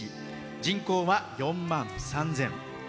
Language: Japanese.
人口は４万３０００。